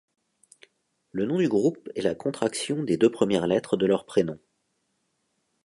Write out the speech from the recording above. Le nom du groupe est la contraction des deux premières lettres de leurs prénoms.